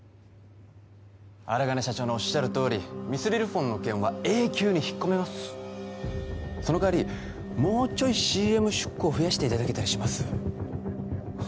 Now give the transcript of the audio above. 鉱社長のおっしゃるとおりミスリルフォンの件は永久に引っ込めますそのかわりもうちょいＣＭ出稿増やしていただけたりします？